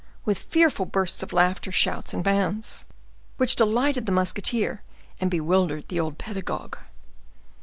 with fearful bursts of laughter, shouts, and bounds, which delighted the musketeer, and bewildered the old pedagogue.